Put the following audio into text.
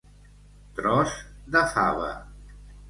Tros de fava.